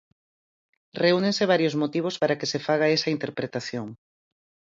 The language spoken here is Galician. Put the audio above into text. Reúnense varios motivos para que se faga esa interpretación.